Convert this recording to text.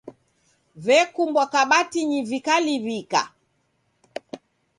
Vekumbwa kabatinyi vikaliw'ika.